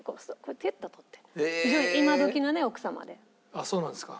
あっそうなんですか。